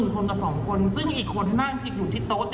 ทนกับ๒คนซึ่งอีกคนนั่งอยู่ที่โต๊ะ